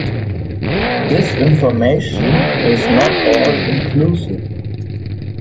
This information is not all inclusive.